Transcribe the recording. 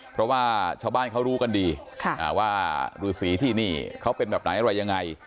เพราะว่าชาวบ้านเขารู้กันดีว่าฤษีที่นี่เขาเป็นแบบไหนอะไรยังไง